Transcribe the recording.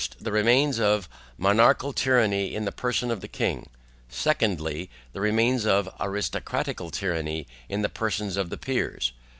The remains of monarchical tyranny in the person of the king. SECONDLY. The remains of aristocratical tyranny in the persons of the peers.